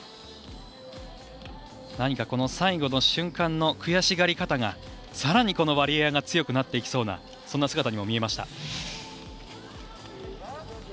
何か最後の瞬間の悔しがり方がさらに、このワリエワが強くなっていきそうなそんな姿にも見えました。